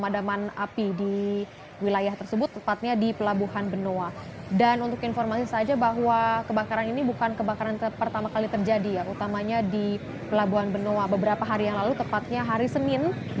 dan kami juga ingin memberi tahu bahwa kebakaran ini bukan kebakaran pertama kali terjadi ya utamanya di pelabuhan benoa beberapa hari yang lalu tepatnya hari senin